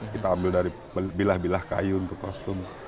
kita ambil dari bilah bilah kayu untuk kostum